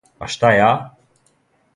А шта ја?